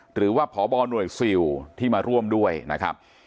หรือว่าพบหน่วยซิลที่มาร่วมด้วยนะครับ